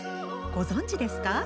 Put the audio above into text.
ご存じですか？